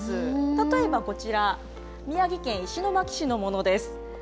例えばこちら、宮城県石巻市のものです。